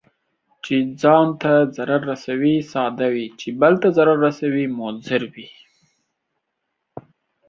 چي ځان ته ضرر رسوي، ساده وي، چې بل ته ضرر رسوي مضر وي.